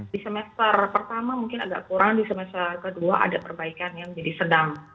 di semester pertama mungkin agak kurang di semester kedua ada perbaikan yang menjadi sedang